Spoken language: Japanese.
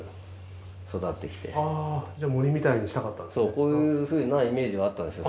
こういうふうなイメージはあったんですよ